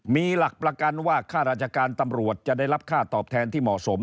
มีหลักประกันว่าค่าราชการตำรวจจะได้รับค่าตอบแทนที่เหมาะสม